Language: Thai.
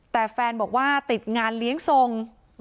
แต่แฟนบอกว่าติดงานเลี้ยงทรง